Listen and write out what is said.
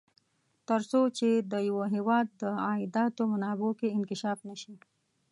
تر څو چې د یوه هېواد د عایداتو منابعو کې انکشاف نه شي.